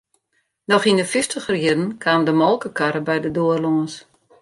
Noch yn 'e fyftiger jierren kaam de molkekarre by de doar lâns.